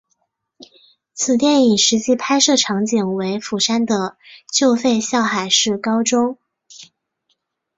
此电影实际拍摄场景为釜山的旧废校海事高中。